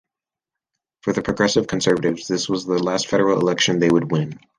For the Progressive Conservatives, this was the last federal election they would win.